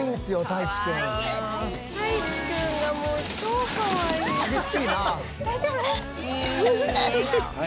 「大丈夫？」